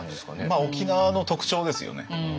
まあ沖縄の特徴ですよね。